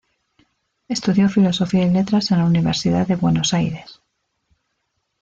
Estudió Filosofía y Letras en la Universidad de Buenos Aires.